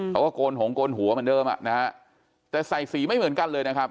โกนหงโกนหัวเหมือนเดิมอ่ะนะฮะแต่ใส่สีไม่เหมือนกันเลยนะครับ